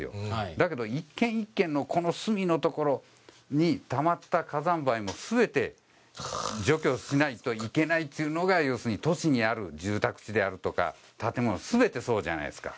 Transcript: だけど、一軒一軒のこの隅の所にたまった火山灰もすべて除去しないといけないというのが、要するに都市にある住宅地であるとか、建物すべてそうじゃないですか。